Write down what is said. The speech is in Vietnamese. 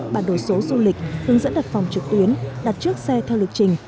bản đồ số du lịch hướng dẫn đặt phòng trực tuyến đặt trước xe theo lịch trình